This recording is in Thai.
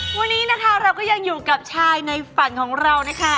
วันนี้นะคะเราก็ยังอยู่กับชายในฝันของเรานะคะ